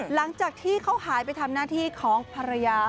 หลังจากที่เขาหายไปทำหน้าที่ของภรรยา